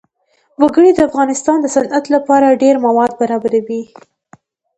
وګړي د افغانستان د صنعت لپاره ډېر مواد برابروي.